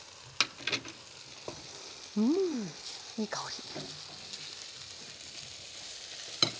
うんいい香り。